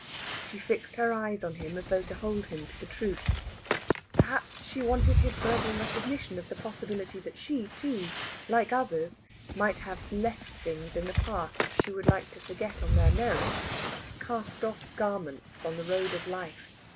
She fixed her eyes on him as though to hold him to the truth. Perhaps she wanted his verbal recognition of the possibility that she, too, like others, might have left things in the past she would like to forget on their merits cast off garments on the road of life.